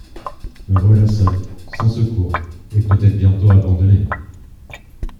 Me voilà seule, sans secours… et peut-être bientôt abandonnée.